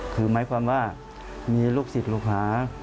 คือหมายความว่ามีลูกศิษย์ลูกหา